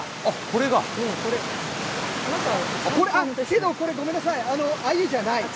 これ、あっ、けどこれ、ごめんなさい、アユじゃない。